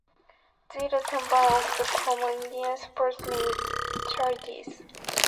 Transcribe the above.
The Lytton Band of Pomo Indians supports many charities.